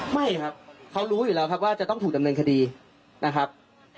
ไม่ครับเขารู้อยู่แล้วครับว่าจะต้องถูกดำเนินคดีนะครับ